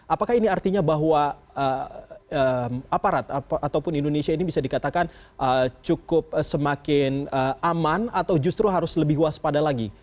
apakah ini artinya bahwa aparat ataupun indonesia ini bisa dikatakan cukup semakin aman atau justru harus lebih waspada lagi